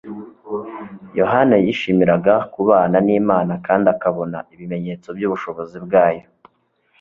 Yohana yishimiraga kubana n'Imana kandi akabona ibimenyetso by'ubushobozi bwayo.